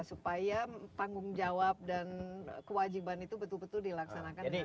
supaya tanggung jawab dan kewajiban itu betul betul dilaksanakan dengan baik